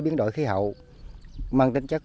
biến đổi khí hậu mang tính chất